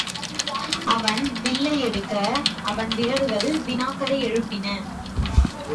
அவன் வில்லை எடுக்க அவன் விரல்கள் வினாக்களை எழுப்பின.